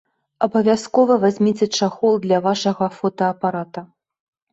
Абавязкова вазьміце чахол для вашага фотаапарата.